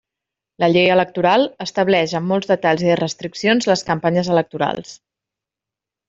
La Llei Electoral estableix amb molts detalls i restriccions les campanyes electorals.